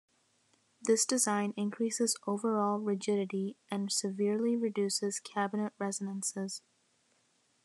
This design increases overall rigidity and severely reduces cabinet resonances.